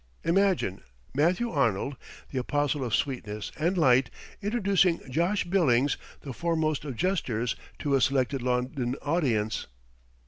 Imagine Matthew Arnold, the apostle of sweetness and light, introducing Josh Billings, the foremost of jesters, to a select London audience.